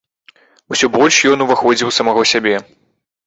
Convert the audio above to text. Усё больш ён уваходзіў у самога сябе.